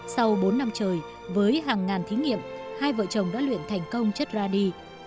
sau bốn năm trời với hàng ngàn thí nghiệm hai vợ chồng đã luyện thành công chất radi